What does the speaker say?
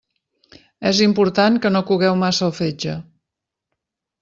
És important que no cogueu massa el fetge.